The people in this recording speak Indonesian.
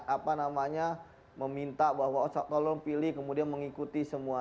apa namanya meminta bahwa tolong pilih kemudian mengikuti semua